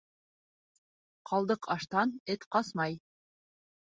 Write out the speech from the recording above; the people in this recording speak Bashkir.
Ҡалдыҡ аштан эт ҡасмай.